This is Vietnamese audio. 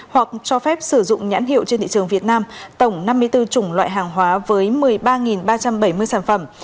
hoặc cho phép sử dụng nhãn hiệu trên thị trường việt nam tổng năm mươi bốn chủng loại hàng hóa với một mươi ba ba trăm bảy mươi sản phẩm